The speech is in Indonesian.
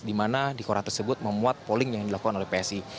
di mana di koran tersebut memuat polling yang dilakukan oleh psi